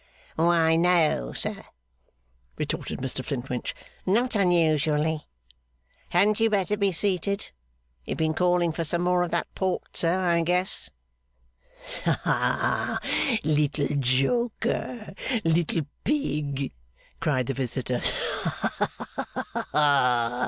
'Why, no, sir,' retorted Mr Flintwinch. 'Not unusually. Hadn't you better be seated? You have been calling for some more of that port, sir, I guess?' 'Ah, Little joker! Little pig!' cried the visitor. 'Ha ha ha ha!